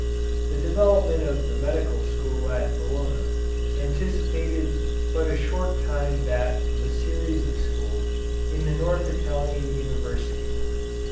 The development of the medical school at Bologna anticipated by but a short time that of a series of schools in the north Italian universities.